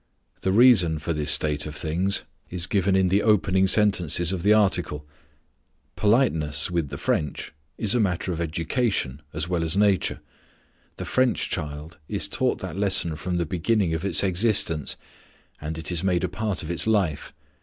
The reason for this state of things is given in the opening sentences of the article: "Politeness, with the French, is a matter of education as well as nature. The French child is taught that lesson from the beginning of its existence, and it is made a part of its life.